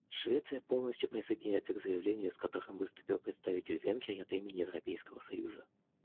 Швеция полностью присоединяется к заявлению, с которым выступил представитель Венгрии от имени Европейского союза.